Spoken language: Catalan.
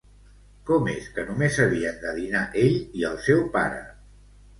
Com és que només havien de dinar ell i el seu pare?